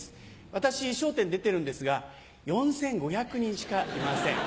私『笑点』出てるんですが４５００人しかいません。